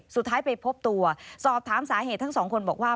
สุดท้ายไปพบตัวสอบถามสาเหตุทั้งสองคนบอกว่า